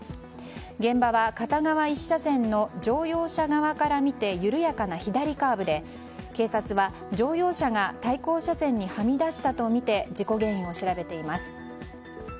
現場は片側１車線の乗用車側から見て緩やかな左カーブで警察は、乗用車が対向車線にはみ出したとみて事故原因を調べています。